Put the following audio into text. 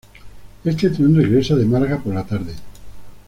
Este tren regresa de Málaga por la tarde.